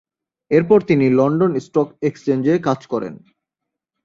এরপর তিনি London stock এক্সচেঞ্জে কাজ করেন।